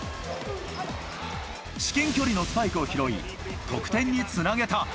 至近距離のスパイクを拾い、得点につなげた。